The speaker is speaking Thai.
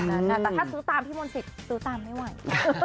แต่ถ้าซื้อตามพี่มนต์สิทธิ์ซื้อตามไม่ไหว